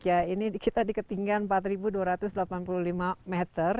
ya ini kita di ketinggian empat dua ratus delapan puluh lima meter